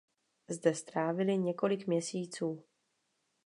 Zde strávili několik měsíců.